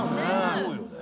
そうよね。